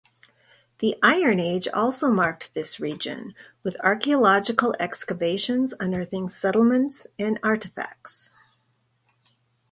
The Iron Age also marked this region, with archaeological excavations unearthing settlements and artefacts.